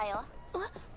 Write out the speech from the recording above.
えっ？